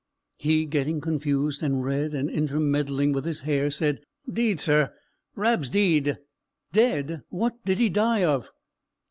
He, getting confused and red, and intermeddling with his hair, said, "'Deed, sir, Rab's deid." "Dead! what did he die of?"